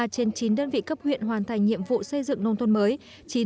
ba trên chín đơn vị cấp huyện hoàn thành nhiệm vụ xây dựng nông thôn mới